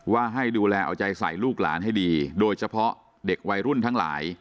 ว่าให้ดูแลเอาใจใส่ลูกหลานให้ดีโดยเฉพาะเด็กวัยรุ่นทั้งหลาย